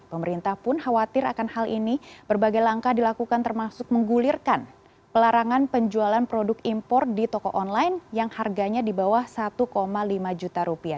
pemerintah pun khawatir akan hal ini berbagai langkah dilakukan termasuk menggulirkan pelarangan penjualan produk impor di toko online yang harganya di bawah satu lima juta rupiah